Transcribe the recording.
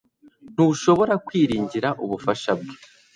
ntushobora kwiringira ubufasha bwe